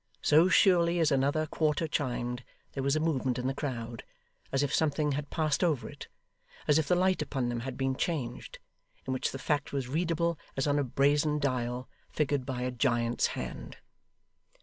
So surely as another quarter chimed, there was a movement in the crowd as if something had passed over it as if the light upon them had been changed in which the fact was readable as on a brazen dial, figured by a giant's hand.